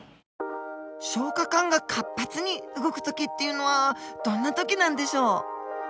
消化管が活発に動くときっていうのはどんなときなんでしょう？